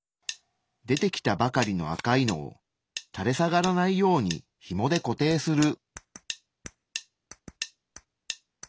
出てきたばかりの赤いのをたれ下がらないようにヒモで固定する。